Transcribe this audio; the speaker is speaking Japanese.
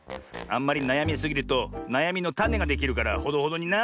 あんまりなやみすぎるとなやみのタネができるからほどほどにな。